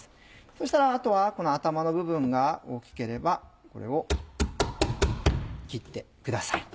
そしたらあとはこの頭の部分が大きければこれを切ってください。